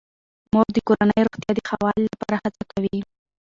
مور د کورنۍ روغتیا د ښه والي لپاره هڅه کوي.